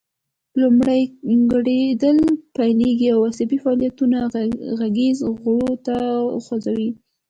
لومړی ګړیدل پیلیږي او عصبي فعالیتونه غږیز غړي خوځوي